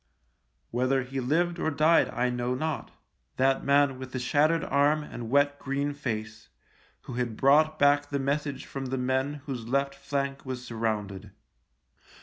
Whether he lived or died I know not — that man with the shattered arm and wet green face, who had brought back the message from the men whose left flank was sur rounded.